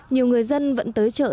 nhiều người dân vẫn tới chợ